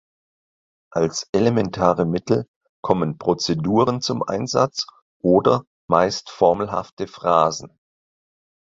Als elementare Mittel kommen Prozeduren zum Einsatz oder meist formelhafte Phrasen.